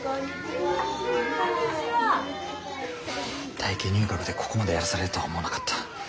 体験入学でここまでやらされるとは思わなかった。